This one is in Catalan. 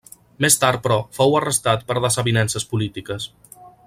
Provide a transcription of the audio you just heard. Més tard, però, fou arrestat per desavinences polítiques.